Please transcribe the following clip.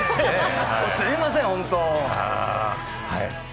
すいません、本当。